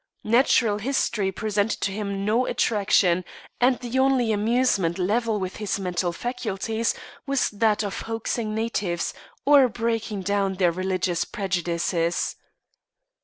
Natural history presented to him no attraction, and the only amusement level with his mental faculties was that of hoaxing natives, or breaking down their religious prejudices.